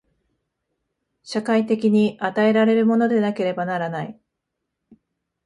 社会的に与えられるものでなければならない。